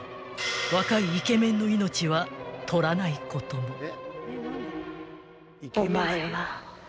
［若いイケメンの命は取らないことも］